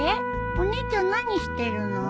お姉ちゃん何してるの？